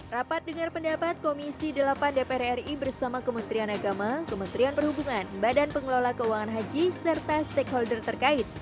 rapat dengar pendapat komisi delapan dpr ri bersama kementerian agama kementerian perhubungan badan pengelola keuangan haji serta stakeholder terkait